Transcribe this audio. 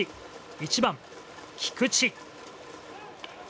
１番、菊池。